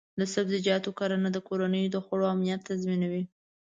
د سبزیجاتو کرنه د کورنیو د خوړو امنیت تضمینوي.